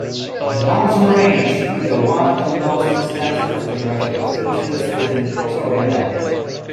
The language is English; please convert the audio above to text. The mountain range is one of the most extensive topographical features within Victoria Land.